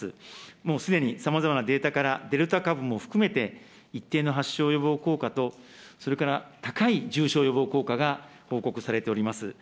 もうすでにさまざまなデータから、デルタ株も含めて一定の発症予防効果と、それから高い重症予防効果が報告されております。